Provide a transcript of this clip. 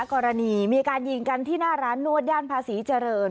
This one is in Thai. กรณีมีการยิงกันที่หน้าร้านนวดย่านภาษีเจริญ